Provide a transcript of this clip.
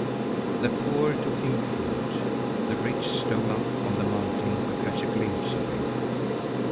The poor took him food. The rich stole up on the mountain to catch a glimpse of him.